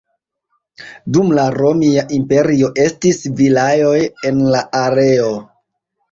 Dum la Romia Imperio estis vilaoj en la areo.